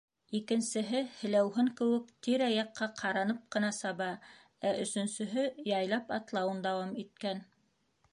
Икенсеһе, һеләүһен кеүек, тирә-яҡҡа ҡаранып ҡына саба, ә өсөнсөһө яйлап атлауын дауам иткән.